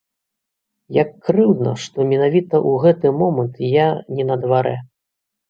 Як крыўдна, што менавіта ў гэты момант я не на дварэ!